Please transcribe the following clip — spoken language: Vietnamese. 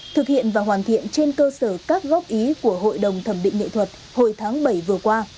thực hiện và hoàn thiện trên cơ sở các góp ý của hội đồng thẩm định nghệ thuật hồi tháng bảy vừa qua